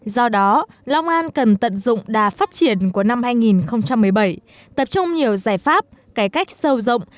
do đó long an cần tận dụng đà phát triển của năm hai nghìn một mươi bảy tập trung nhiều giải pháp cải cách sâu rộng